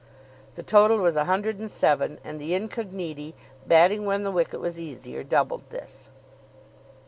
The total was a hundred and seven, and the Incogniti, batting when the wicket was easier, doubled this.